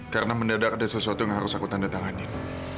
karena mendadak ada sesuatu yang harus aku tandatanganin